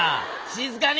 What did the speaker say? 静かに。